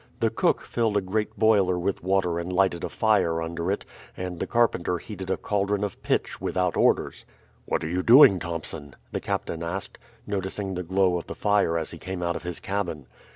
The cook filled a great boiler with water and lighted a fire under it, and the carpenter heated a caldron of pitch without orders. "What are you doing, Thompson?" the captain asked, noticing the glow of the fire as he came out of his cabin.